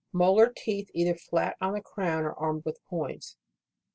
Molar teeth, either flat on the crown, or armed with points.